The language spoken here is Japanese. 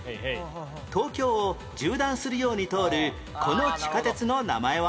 東京を縦断するように通るこの地下鉄の名前は？